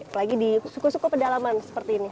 apalagi di suku suku pedalaman seperti ini